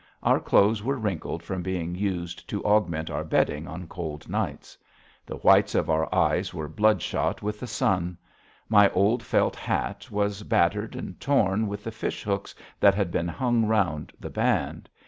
Our clothes were wrinkled from being used to augment our bedding on cold nights. The whites of our eyes were bloodshot with the sun. My old felt hat was battered and torn with the fish hooks that had been hung round the band.